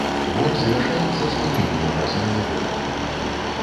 Твор завяршаецца спыненнем размовы войтам.